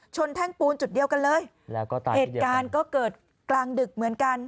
แท่งปูนจุดเดียวกันเลยแล้วก็ตายเหตุการณ์ก็เกิดกลางดึกเหมือนกัน